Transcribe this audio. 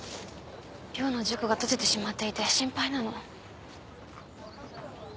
亮の塾が閉じてしまっていて心配なの。